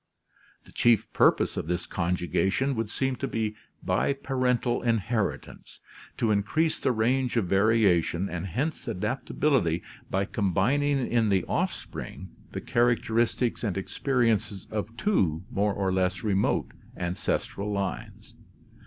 The chief purpose of this conjugation would seem to be biparental inheritance, to increase the range of variation and hence adapt ability by combining in the offspring the characteristics and experiences of two more or less remote ancestral lines.